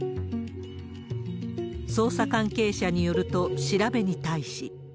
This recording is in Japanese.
捜査関係者によると、調べに対し。